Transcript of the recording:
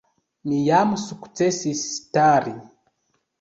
Mi jam sukcesis stari.